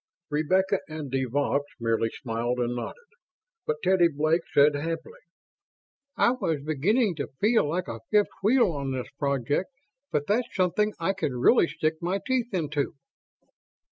Rebecca and de Vaux merely smiled and nodded, but Teddy Blake said happily, "I was beginning to feel like a fifth wheel on this project, but that's something I can really stick my teeth into."